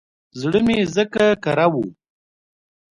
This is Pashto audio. زړه مې ځکه کره و.